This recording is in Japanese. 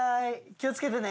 気を付けてね。